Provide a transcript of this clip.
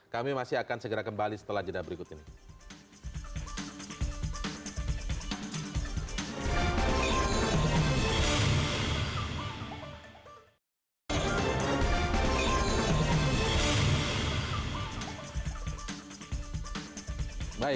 kami masih akan segera kembali setelah jeda berikutnya